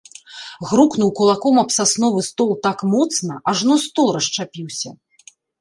Грукнуў кулаком аб сасновы стол так моцна, ажно стол расшчапіўся.